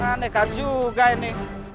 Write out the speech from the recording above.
anekan juga ini